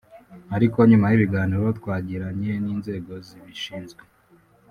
ariko nyuma y’ibiganiro twagiranye n’inzego zibishinzwe